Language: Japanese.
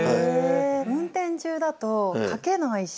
運転中だと書けないし。